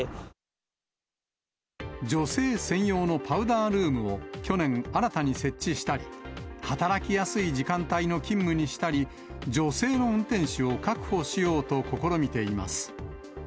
女性専用のパウダールームを去年、新たに設置したり、働きやすい時間帯の勤務にしたり、女性の運転手を確保しようと試みています。